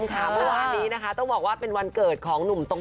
น้องตนชมค่ะวันนี้นะฮะต้องบอกว่าเป็นวันเกิดของหนุ่มตรง